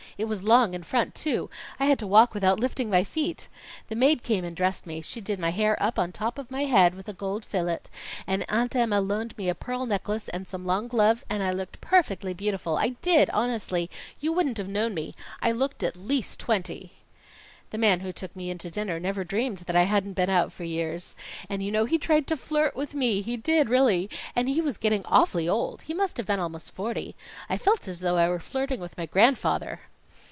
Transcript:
It was long in front, too. I had to walk without lifting my feet. The maid came and dressed me; she did my hair up on top of my head with a gold fillet, and Aunt Emma loaned me a pearl necklace and some long gloves and I looked perfectly beautiful I did, honestly you wouldn't have known me. I looked at least twenty! "The man who took me in to dinner never dreamed that I hadn't been out for years. And you know, he tried to flirt with me, he did, really. And he was getting awfully old. He must have been almost forty. I felt as though I were flirting with my grandfather.